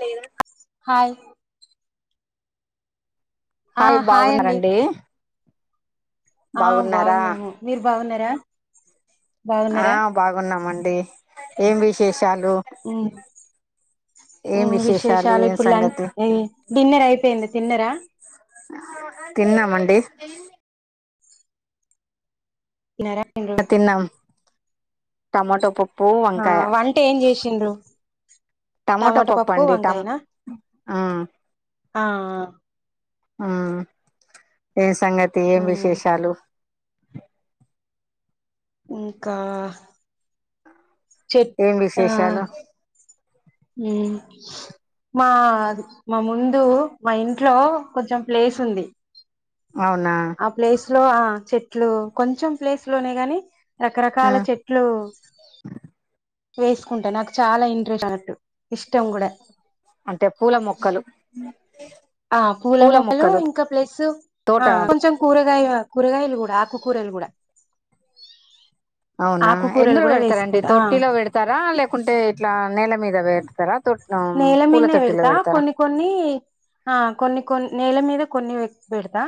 లేదు ఆయ్ ఆ హా హాయ్ అండి బాగున్నారండి ఆ బాగున్నారా బాగున్నాము మీరు బాగున్నారా ఆ బాగున్నారా బాగున్నామండి ఏం విశేషాలు ఉమ్ ఏం విశేషాలు ఏం ఇప్పుడు లంచ్ సంగతి డిన్నర్ అయిపోయింది తిన్నరా తిన్నామండి తిన్నారా అండి తిన్నాం టమాటో పపు ఆ వంటే ఏం చేసిండ్రు టమాటో పప్పు వంకాయనా ఆఆ ఉ ఏం సంగతి ఏం ఉమ్ విశేషాలు ఇంకా చెట్ ఏం ఆ విశేషాలు మా మా ముందు మా ఇంట్లో కొంచెం ప్లేస్ ఉంది అవునా ఆ ప్లేస్ లో చెట్లు కొంచెం ప్లేస్ లోనే గాని రకరకాల ఆ చెట్లు వేసుకుంటా నాకు చాలా ఇంట్రెస్ట్ అన్నట్టు ఇష్టం కూడా అంటే పూల మొక్కలు ఆ పూల మొక్కలు ఇంకా ప్లస్ తోట కొంచెం కూరగాయ కూరగాయలు కూడా ఆకుకూరలు కూడా అవునా ఆకుకూరలు ఎందులో కూడా పెడతారండి వేసుకుంటా ఆ తొట్టిలో పెడతారా లేకుంటే ఇట్లా నేల మీద స్తా [unintelligible] నేల మీదే పెడతా కొన్ని కొన్ని ఆ కొన్ని కొన్ని నేల మీద కొన్ని పెడతా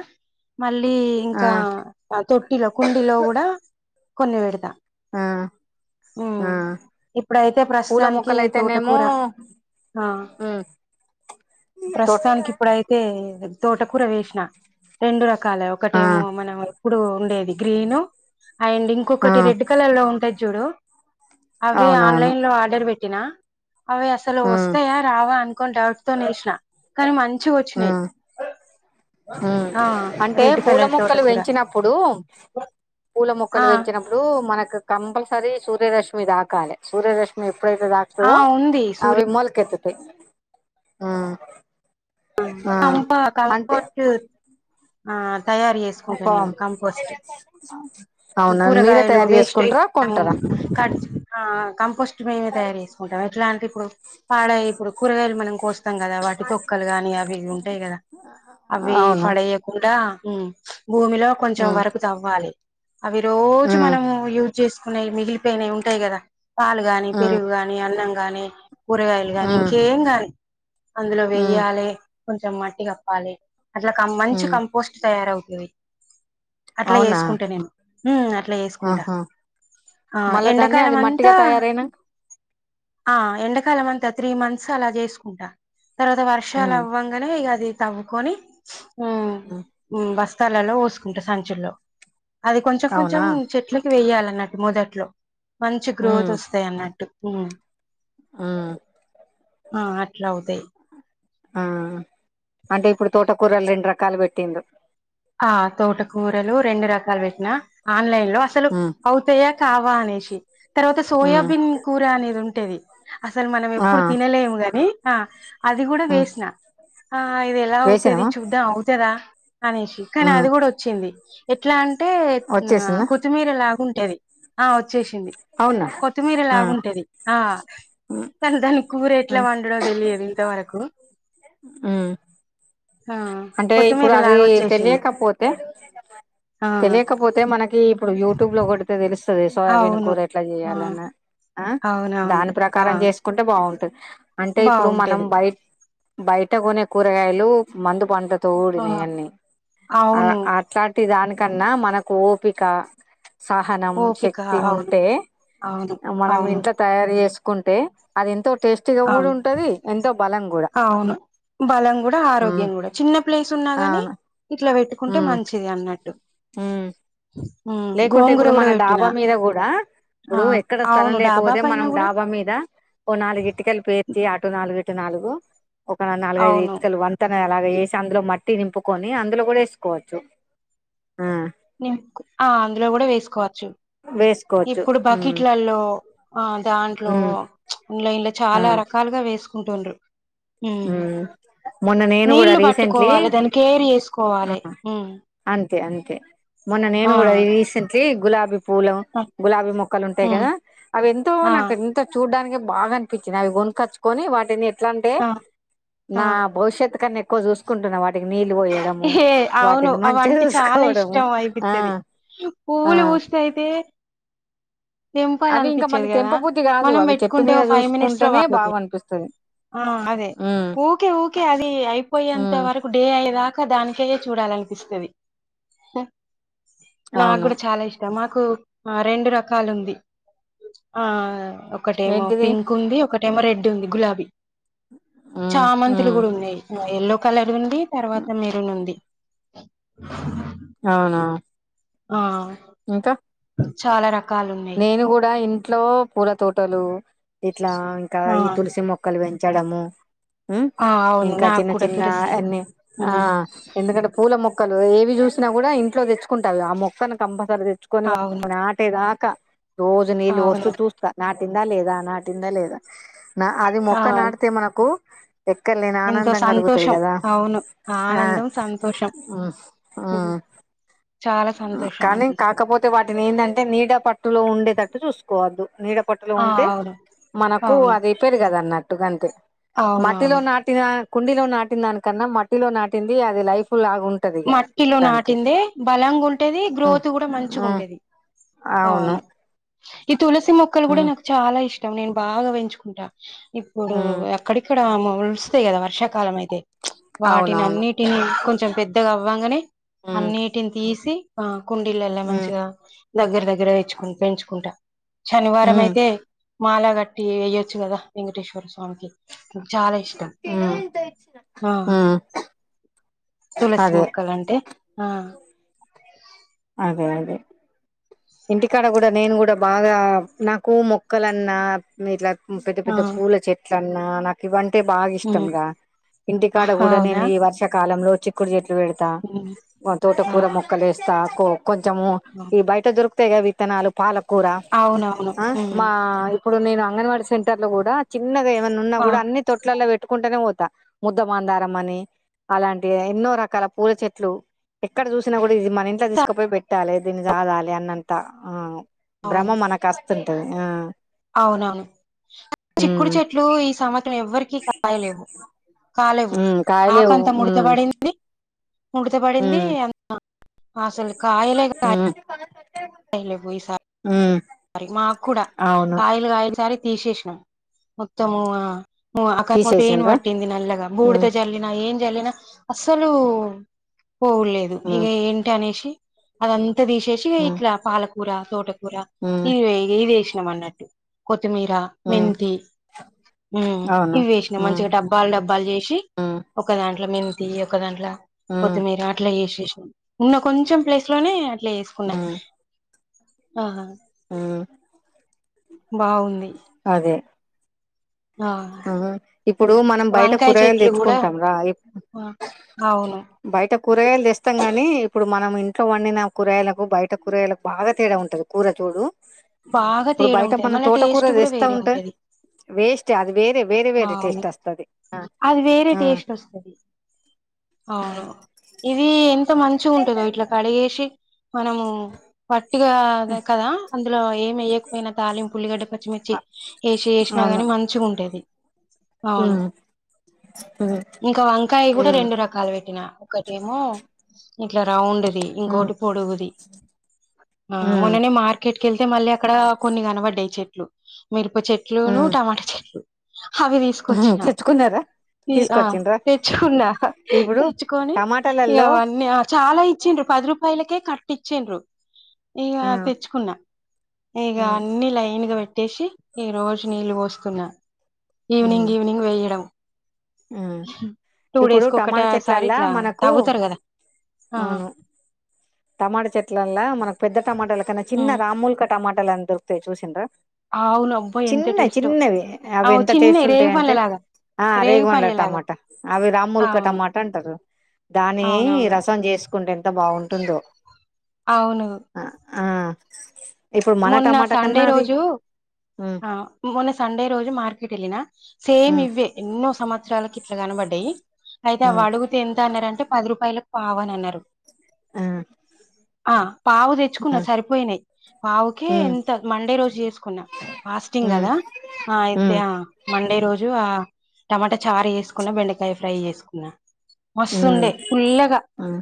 మళ్ళీ ఇంకా ఆ తొట్టిలో కుండలో కూడా కొన్ని పెడతా ఆ ఉ ఆ ఇప్పుడైతే పూల ప్రస్తుతానికి మొక్కలయితేనేమో తోటకూర ఆ మ్ తో ప్రస్తుతానికి ఇప్పుడైతే తోటకూర వేసిన రెండు రకాల ఆ ఒకటేమో మనం ఎప్పుడు ఉండేది గ్రీను అండ్ ఆ ఇంకొకటి రెడ్ కలర్ లో ఉంటుది చూడు అవి అవునవును ఆన్లైన్ లో ఆర్డర్ పెట్ ట్టినా అవి అసలు మ్ వస్తాయా రావా అనుకోని డౌట్ తో వేసినా కానీ మంచి వచ్చినాయి హ ఆ అంటే రెడ్ పూల కలర్ మొక్కలు తోటకూర పెంచినప్పుడు పూల ఆ మొక్కలు పెంచినప్పుడు మనకు కంపల్స సరీ సూర్యరశ్మి దాకాలి సూర్యదశ్మి ఎప్పుడైతే ఆ దాక్తదో ఉంది సూర్య అవి మొలకెత్తుతాయి ఉమ్ కం కంట్ తయారు చేసుకుంటా నేను పామ్ కంపోస్ట్ అవునా మీరే కూరగాయలు తయారు వేస్ట్ చేసుకుంటారా కొంటారా కడిచ కంపోస్ట్ మేమే తయారు చేసుకుంటాం ఎట్లాంటి ఇప్పుడు పాడ ఇప్పుడు కూరగాయలు వస్తాం కదా వాటి తొక్కలు కాని అవి అ ఉంటాయి కదా అవి అవును పడేయకుండా భూమిలో కొంచెం మ్ వరకు తవ్వాలి అవి రోజు మ్ మనము యూజ్ చేసుకున్నాయి మిగిలి నే ఉంటాయి కదా పాలు గాని మ్ పెరుగు గాని అన్నం గాని కూరగాయలు గాని మ్ ఇంకేం గాని అందులో మ్ వెయ్యాలి కొంచెం మట్టి కప్పాలి అట్లా మంచి మ్ కంపోస్ట్ తయారవుతుంది అట్లా అవునా చేసుకుంటా మ్మ్ నేను అట్లా చేసుకుంటా ఆహా ఆ మళ్ళా దాన్ని అది ఎండాకాలం మట్టిగా అంతా తయారైనంక ఆ ఎండాకాలం అంతా త్రీ మంత్స్ అలా చేసుకుంటా తర్వాత వర్షాలు ఉమ్ ఇ అది తవ్వుకొని ఉమ్ ఉ బస్తాలలో పోసుకుంటా సంచుల్లో అది కొంచెం కొంచెం అవునా చెట్లకి వేయాలి అన్నట్టు మొదట్లో మంచి గ్రోత్ వస్తాయి అన్నట్టు మ్మ్ మ్మ్ ఆ అట్లా అవుతాయి్ ఆ అంటే ఇప్పుడు తోటకూర్రలు రెండు రకాలు పెట్టింది ఆ తోటకూరలు రెండు రకాలు పెట్టినా ఆన్లైన్ లో అసలు ఉమ్ అవుతాయా కావా అనేసి తర్వాత ఉమ్ సోయాబీన్ కూర అనేది ఉంటేది అసలు మనం ఆ ఎప్పుడు తినలేము గాని అది కూడా ఉమ్ వేసిన ఆ ఇది ఎలా అవుతుది వేసినవా చూద్దాం అవుతుదా అనేసి కానీ ఉమ్ అది కూడా వచ్చింది ఎట్లా అంటే ఆ వచ్చేసిందా కొత్తిమీర లాగాంటేది ఆ వచ్చేసింది అవునా కొత్తిమీర ఆ లాగుంటేది ఆ కానీ దాని కూర ఎట్లా ఉమ్ వండడో తెలియదు ఇంతవరకు ఉ ఆ అంటే ఇప్పుడు కొత్తిమీర అది లాగా వచ్చేసింది తెలియక ఆ తెలియకపోతే మనకి ఇప్పుడు యూట్యూబ్ లో కొడితే తెలుస్తు ీ సోయాబీన అవును కూర ఎట్లా ఆ చేయాలన్నా ఆ అవునవును దాని ఆ ప్రకారం చేసుకుంటే బాగు అంటే ఇప్పుడు మనం బాగుంటది బయ బయట కొనే కూరగాయలు మందు పడు ఆ తోడిని అన్నిీ అవును అట్లాంటి దానికన్నా మనకు ఓపిక సహనం ఓపిక శక్తి అవును ఉంటే అవును మనం అవును ఇంట్ తయారు చేసుకు కుంటే అది ఎంతో టేస్టీగా ఆ కూడా ఉంటది ఎంతో బలం కూడా అవును బలం కూడా ఉమ్ ఆరోగ్యం కూడా చిన్న ప్లేస్ ఉన్నా గాని అవును ఇట్లా పెట్టుకుంటే మంచిది అన్నట్టు ఉ ఉమ్ లేకుంటే గోంగూర ఇప్పుడు కూడా మన పెట్టినా డాబా మీద కూడా ఆ ఇప్పుడు ఎక్కడ స్థలం అవును డాబా లేకపోతే పైన మనం కూడా డాబా మీద ఓ నాలుగు ఇటుకలు పేర్చ అటు నాలుగు ఇటు నాలుగు ఒక నాలుగైదు అవును ఇటుకలు వంతన అలాగ వేసి అందులో మట్టి నింపుకొని అందులో కూడా వేసుకోవచ్చు ఆ అందులో కూడా వేసుకోవచ్చు వేసుకోవచ్చు ఇప్పుడు ఉమ్ బకెట్లలో ఆ దాంట్లో ఉమ్ ఇంలో ఇంలో చాలా రకాలుగా వేసుకుంటుండ్రు హ ఉమ్ మొన్న నేను కూడా నీళ్లు రీసెంట్లీ పట్టుకోవాలి దాన్ని కేర్ చేసుకోవాలి ఉమ్ అంతే అంతే మొన్న నేను ఆ కూడా రీసెంట్లీ గులాబ పూలం ఆ, గులాబీ మొక్కలు ఉంటాయి ఉమ్ కదా అవి ఎంతో ఆ నాకు ఎంతో చూ చూడ్డానికి బాగా అనిపించింది అవి కొనుకొచ్చుకొని వాటిని ఎట్లా అంటే ఆ నా ఆ భవిష్యత్ కన్నా ఎక్వ చూసుకుంటున్నా వాటి వాటికి నీళ్ళు పోయడము హే అవును వాటిని మంచిగా చూసుకోవడము ఆ ఆ పువవులు పూస్తే అయితే తెంపాల అవి ఇంకా మళ్ళీ అనిపించేది కదా తెంపబుద్ధి కాదు మనం అవి చెట్టు పెట్టుకుంటే మీద ఒక ఫైవ్ మినిట్స్ లో చూసుకుంటేనే వాపోతా బాగా అనిపిస్తది ఆ అదే ఉమ్ ఊకే ఊకే అది అయిపోయేంత ఉమ్ వరకు డే అయదా ఇ దానికే చూడాలనిపిస్తుంది నాకు అవును కూడా చాలా ఇష్టం మా రెండు రకాలు ఉంది ఆ ఒకటేమో ఏంటిది పింక్ ఉంది ఒక ో రెడ్ ఉంది గులాబీ ఉమ్ చామతులు ఉమ్ కూడా ఉన్నాయి ఎల్లో కలర్ డి తర్వాత మీరు నుంది అవునా ఆ ఇంకా చాలా రక నేను కూడా ఇంట్లో పూల తోటలు ఇట్లా ఇంకా ఆ ఈ తులసి మొక్కలు పెంచ పెచ్చడము ఆ అవును ఇంకా నాకు చిన్న కూడా చిన్న తులసి అన్నిీ ఆ ఉమ్ ఎందుకంటే పూల మొక్కలు ఏవి చూసినా కూడా ఇంట్లో తెచ్చుకుంటావి ఆ మొక్కను కంపల్సరీ తెచ్చుకొనిని అవును ఆటేదాకా రోజు నీళ్ళు వస్తూ అవును చూస్తా నాటిందా లేదా నాటిందా లేదా నా అది ఆ మొక్క నాటితే మనకు ఎక్కడ లేని ఎంతో ఆనందం కలుగుతుంది సంతోషం కదా అవును ఆ ఆనందం సంతోషం ఉమ్, చాలా సంత కానీ కాకపోతే వాటిని ఏంటంటే నీడ పట్టులో ఉండేటట్టు చూసుకోవద్దు నీడ పట్టులో ఆ ఉంటే అవును మనకూ అవును అది ఎక్కేది కదా అన్నట్టుగా అంతే అవును మట్టిలో అవును నాటినా కుండీలొ నాటిన్ దానికన్నా మట్టిలో నాటింది అది లైఫ్ లా మట్టిలో నాటిందే బలం మనం కొంటేది హ్మ్ గ్రోతు కూడ హ్మ్ మంచిగుంటేది అవును అవ్ను తులసి మొక్కలు కూడా హ్మ్ నాకు చాలా ఇష్టం నేన్ బాగా పెంచుకుంటా ఇప్పుడూ హ్మ్ ఎక్కడికి ఇక్కడా వస్తాయ్ కదా వర్షాకాలం అయితే వాటిని అవునవును అన్నిటిని కొంచెం పెద్ ద్దగ అవ్వంగనే హ్మ్ అన్నీటిన్ తీసి ఆ కుండీలల్లో హ్మ్ మంచిగా దగ్గర దగ్గర ఇచ్చుకుని పెంచుకుంటా శనివారం హ్మ్ అయితే మాలగట్టి ఇయ్యొచ్చు కదా వెంకటేశ్వర స్వామికి చాల ఇష్టం హ్మ్ ఆ హ్మ్ తులసి అదే మొక్కల్యాంటే ఆ అదే అదే ఇంటికాడ కూడా నేన్ కూడా బాగా నాకూ మొక్కలన్నా ఇట్ల పెద్ద ఆ పెద్ద పూల చెట్లన్నా నాకు ఇవంట్ తె ఉమ్, బాగిష్టంగా ఇంటికాడ కూడా అవునా నేన్ ఈ వర్షకాలంలో చిక్కుడు చెట్లు పెడతా ఉమ్, తోట ఆ కూర మొక్కలేస్తా కొ కొంచెము ఆ, ఈ బయట దొరుక్ తెగ విత్తనాలు పాలకూర అవునవును ఆ ఉమ్, మా ఇప్పుడు నేనా అంగన్వాడీ సెంటర్ లొ కూడా చిన్నగా ఏమై ఉన్నా ఆ, కూడా అన్ని తొట్లల్లొ పెట్టుకుంటనే పోత్ త ముద్దమందారం అనీ అలాంటి ఎన్నో రకాల పూల చెట్లు ఎక్కడ చూసినా కూడా ఇది మన ఇంట్లో తీస్ కపొయ్ పెట్టాలె దీన్ని సాదాలి అన్నంత్ త భ్రమ మనకాస్తుంటది ఆ అవ్నవును ఉమ్ చిక్కుడు చెట్లూ ఈ సంవత్సరం ఎవ్వరికి కాయలేవు కాలెవ్వు ఉమ్ కాయలేవు ఆకంత ముడుత ఉమ్ పడింది ముడుతపడిందీ ఉమ్ అ అసల్ కాయలే కాయ ఉమ్ కాయ్ లేవు ఈసారి ఉమ్ సరి మాక్కూడ అవును కాయలు కాయన్ సారి తీసేసినం మొత్తమూ మో అకపు తేన్ తీసేసిండ్రా వట్టింది నల్లగా బూడిద ఉమ్ జల్లి నా ఏన్ జల్లిన అస్సలూ పోలేదు ఇక ఉమ్ ఏంటి అనేసి అదంత్ త్త తీసేసీ ఉమ్ ఇట్ల పాలకూర తోటకూర ఉమ్ ఇది ఇదేసినాం అన్నట్టు కొ త్తిమీరా ఉమ్ మెంతి ఉహు అవును ఇవేసినమ్ ఉమ్ మంచిగ డబ్బాల్ డబ్బాల్ చేసి ఉమ్ ఒకదాంట్లొ మేమ్ తీ ఒక దాంట్లో ఉమ్ కొత్తిమీర అట్ల ఏషేసినం ఉన్న కొంచెం ప్లేస్ లోనే లేస్కున్న ఆహా ఊ అదే ఆహ ఇప్పుడూ మనం బయట కూరగాయలు తెచ్చుకుంటాం గాదె అవును బైట కూరగాయల్ తెస్తాం గానీ ఇప్పుడు మనం ఇంట్లో వండిన కూరగాయలకు బయట కూరగాయలకు బాగా తేడా ఉంటది కూరచూడూ బాగా ఇప్పుడు తేడా బయట ఉంటది మనం మళ్ళ తోటకూర టేస్ట్ కూడా దెస్తా వేరే ఉంటె ఉంటది వేస్టే అది వేరె వేరె వేరె అవును టేస్ట్ వస్తది అ అది వేరే ఆ టేస్ట్ వస్తది ఆ అవును ఇదీ ఎంత మంచిగా ఉంటందో ఇట్ల కడ చేసి మనమూ వట్టిగాద కదా ఇందులో ఏమెయ్యక పోయ్నా తాళింపు ఉల్లిగడ్డ పచ్చిమిర్చి అ ఏసి ఏసినా గాని మంచిగుంటది ఊ ఇంకా వంకాయ్ కూడ రెండు రకాల్ పెట్టినా ఒకటేమో ఇట్ల రౌండుది ఉమ్ ఇంకోటి పొడుగుది ఆ ఉమ్ మొన్ననే మార్క్ బయట్కెళ్తే మళ్ళీ అక్కడా కొన్ని కనపడ్డయ్ చెట్లు మీరుప చెట్లూ ఉమ్ టమాటా చెట్లు అవి ఉహు తీస్కొచ్చినా తెచ్చుకున్నారా ఈ ఆ తీసుకొచ్చిండ్రా తెచ్చుకున్నా ఇప్పుడు తెచ్చుకొని ఇగా టమాటాలలో అవన్నీ అ చాలా ఇచ్చిండ్రు పది రూపాయలకే కట్ట ఇచ్చిండ్రు ఇకా ఆ తెచ్ కున్నా ఇక ఉమ్ అన్ని లైన్గా పెట్టేసి ఈ రోజు నీళ్ళు పోస్తున్నా ఉమ్ ఈవినింగ్ ఈవినింగ్ పోయడం ఉమ్ టూ ఇప్పుడు డేస్ కి ఒక టమాటా సారి చెట్లల్లా ఇట్లా మనకు తవుతారు కదా ఆ అవును టమాటా చెట్లల్లా మనకు పెద్ద టమాటాల కనా చిన్న టమాటాలు రామూలుక టమాటాలు దొరుకుతాయి చూసిండ అవును అబ్బో ఎంత చిన్నవి టేస్ట్ చిన్నవి అవి అవు ఎంత చిన్న టేస్ట్ రేగి పండ్ల ఉంటాయింటే లాగా ఆ రేగి రేగుమండల పండ్ల లాగా టమాట అవి రామ్మూల్క అవును టమాట అంటారు దాని అవునవును రసం చేసుకుంటే ఎంత బాగుంటుందో అవును ఆ ఆ ఇప్పుడు మన మొన్న టమాటా సండే కన్నా అది రోజు ఉమ్ మొన్న సండే రోజు మార్కెట్ వెళ్ళిన సేమ్ ఉమ్ ఇవే ఎన్నో సంవత్సరాలకు ఇట్లా కనబడ్డాయి అయితే అవి ఉమ్ అడుగుతే ఎంత అన్నారంటే పది రూపాయలకు పావని అన్నారు ఆ ఆ పావు తెచ్చుకున్న ఆ సరిపోయినాయి ఓకే ఉమ్ ఎంత మండే రోజు చేసుకున్నా ఫాస్టింగ్ ఉమ్ కదా ఆ అయితే ఉమ్ మండే రోజు ఆ టమాట చారు చేసుకున్నా బెండకాయ ఫ్రై చేసుకున్నా మస్తుండే ఉమ్ పుల్లగా ఉమ్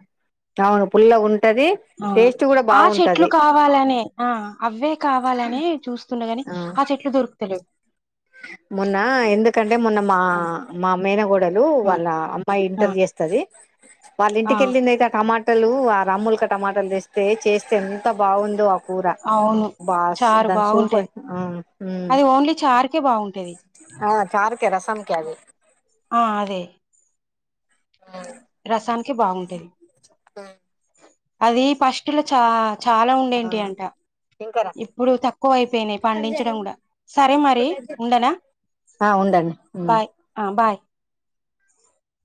అవును పుల్లగా ఉంటది ఆ టేస్ట్ కూడా ఆ చెట్లు బాగుంటది కావాలనే ఆ అవే కావాలని చూస్తుండగాని ఆ చెట్లు దొరుకుతలే మొన్న ఎందుకంటే మొన్న మా ఆ మా మేనా కోడా ఆ వాళ్ళ అమ్మాయి ఆ ఇంటర్ చేస్తుది వాళ్ళ ఆ ఇంటికెళ్ళి అయితే టమాటా ట్టలు ఆ రాముూలక టమాటలు తీస్తే చేస్తే ఎంత బాగుందో కురా అవును బాస్ చారు దాని సూప బాగుంటది అది ఓన్లీ చారుకే బాగుంటది ఆ చారుకి రసముకే అది ఆ అదే ఆ రసానికి బాగుంటది అది పస్టులో చా లా ఉండేంటియు అంట ఇప్పుడు తక్కువ అపోయినాయి పండించడం కూడా సరే మరి ఉండనా ఆ ఉండండి బాయ్ ఆ బాయ్